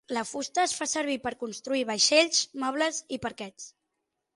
La fusta es fa servir per construir vaixells, mobles i parquets.